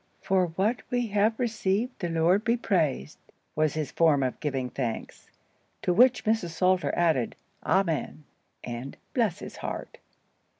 "For what we have received the Lord be praised," was his form of giving thanks; to which Mrs. Salter added, "Amen," and "Bless his heart!"